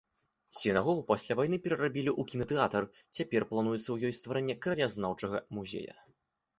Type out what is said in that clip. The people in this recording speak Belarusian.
Сінагогу пасля вайны перарабілі ў кінатэатр, цяпер плануецца ў ёй стварэнне краязнаўчага музея.